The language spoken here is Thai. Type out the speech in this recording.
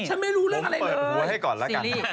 ฉันไม่รู้เรื่องอะไรเลย